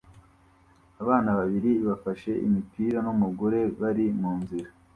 Abana babiri bafashe imipira numugore bari munzira